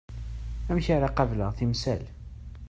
Amek ara qableɣ timsal?